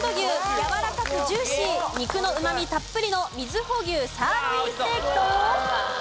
やわらかくジューシー肉のうまみたっぷりの瑞穂牛サーロインステーキと。